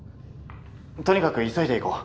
とにかく急いで行こう。